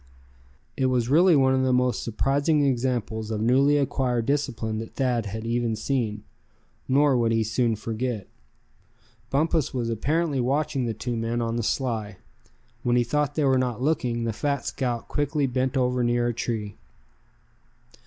It was really one of the most surprising examples of newly acquired discipline that Thad had even seen. Nor would he soon forget it. Bumpus was apparently watching the two men on the sly. When he thought they were not looking, the fat scout quickly bent over near a tree.